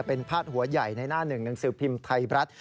เป็นพาดหัวใหญ่ในหน้าหนึ่งหนังสือพิมพ์ไทยรัฐ